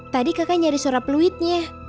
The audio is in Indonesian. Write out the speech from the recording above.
tadi kakak nyari suara pluidnya